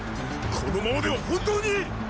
このままでは本当にっ！